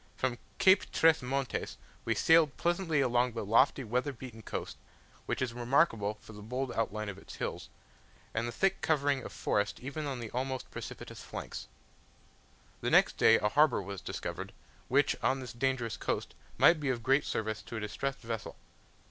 From Cape Tres Montes we sailed pleasantly along the lofty weather beaten coast, which is remarkable for the bold outline of its hills, and the thick covering of forest even on the almost precipitous flanks. The next day a harbour was discovered, which on this dangerous coast might be of great service to a distressed vessel.